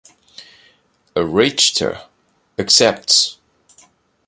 Richter accepts.